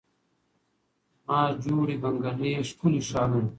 له ما جوړي بنګلې ښکلي ښارونه